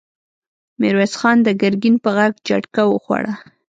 ميرويس خان د ګرګين په غږ جټکه وخوړه!